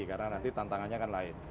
karena nanti tantangannya akan lain